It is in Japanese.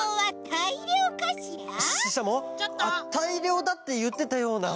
たいりょうだっていってたような。